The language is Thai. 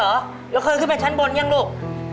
แล้วเคยขึ้นไปชั้นบนยังลูก